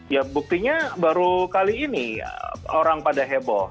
ya buktinya baru kali ini orang pada heboh